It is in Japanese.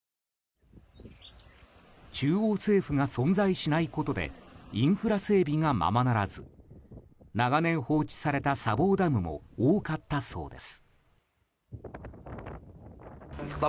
中央政府が存在しないことでインフラ整備がままならず長年放置された砂防ダムも多かったそうです。